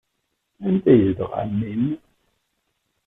Anda ay yezdeɣ ɛemmi-m?